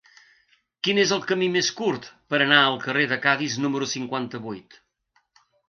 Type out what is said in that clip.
Quin és el camí més curt per anar al carrer de Cadis número cinquanta-vuit?